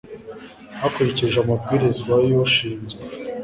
hakurikijwe amabwiriza y ushinzwe